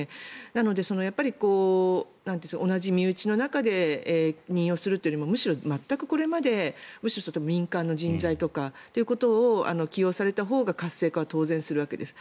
なので同じ身内の中で任用するというよりむしろ、全くこれまで民間の人材とかということを起用されたほうが活性化は当然するわけです。